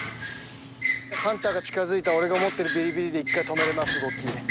ハンターが近づいたら俺が持ってるビリビリで１回止めれます動き。